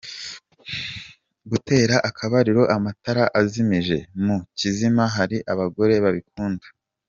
Gutera akabariro amatara azimije, mu kizima hari abagore babikunda.